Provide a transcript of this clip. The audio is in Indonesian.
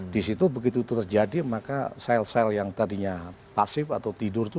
di situ begitu itu terjadi maka sel sel yang tadinya pasif atau tidur itu